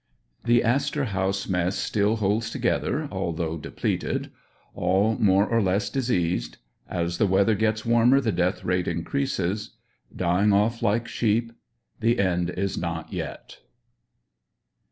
THE ASTOR HOUSE MESS STILL HOLDS TOGETHER, ALTHOUGH DE PLETED — ALL MORE OR LESS DISEASED — AS THE WEATHER GETS WARMER THE DEATH RATE INCREASES — DYING OFF LIKE SHEEP — THE END IS NOT YET.